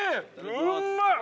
うんまい！